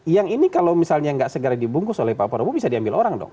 yang ini kalau misalnya nggak segera dibungkus oleh pak prabowo bisa diambil orang dong